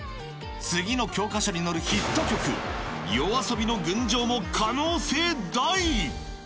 次の教科書に載るヒット曲、ＹＯＡＳＯＢＩの群青も可能性大。